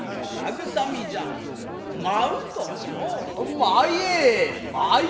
舞え舞え。